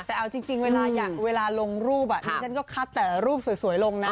แต่เอาจริงเวลาลงรูปอ่ะนี่ฉันก็คัดหลักหลักรูปสวยลงนะ